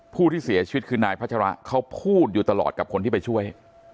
ผู้ที่เสียชีวิตคือนายพัชระเขาพูดอยู่ตลอดกับคนที่ไปช่วย